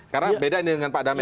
karena beda ini dengan pak dame